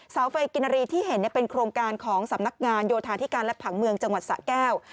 ไฟกินรีที่เห็นเป็นโครงการของสำนักงานโยธาธิการและผังเมืองจังหวัดสะแก้ว